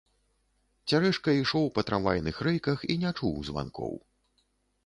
Цярэшка ішоў па трамвайных рэйках і не чуў званкоў.